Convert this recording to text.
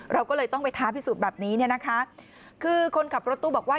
เราก็เลยต้องไปท้าพิสูจน์แบบนี้เนี่ยนะคะคือคนขับรถตู้บอกว่า